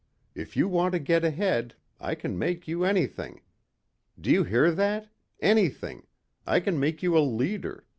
If you want to get ahead, I can make you anything. Do you hear that? Anything.... I can make you a leader